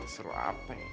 seru apa ini